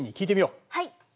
はい！